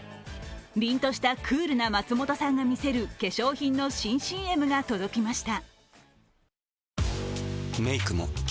凜としたクールな松本さんが見せる化粧品の新ＣＭが届きました。